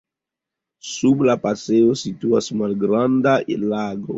Sub la pasejo situas malgranda lago.